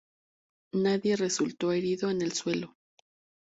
Nadie resultó herido en el suelo.